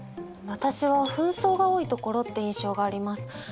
私は紛争が多いところって印象があります。